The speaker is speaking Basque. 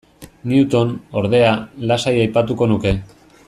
Newton, ordea, lasai aipatuko nuke.